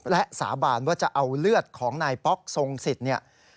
และสาบานว่าจะเอาเลือดของนายป๊อกทรงสิทธิ์เนี่ย